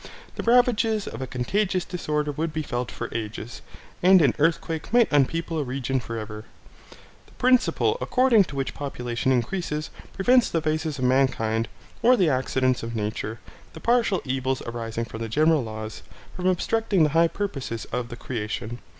The ravages of a contagious disorder would be felt for ages; and an earthquake might unpeople a region for ever. The principle, according to which population increases, prevents the vices of mankind, or the accidents of nature, the partial evils arising from general laws, from obstructing the high purpose of the creation.